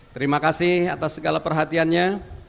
terima kasih atas segala perhatiannya